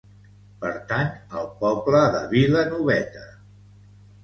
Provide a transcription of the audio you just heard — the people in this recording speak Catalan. Pertany al poble de Vilanoveta.